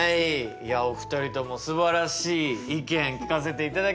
いやお二人ともすばらしい意見聞かせていただきました。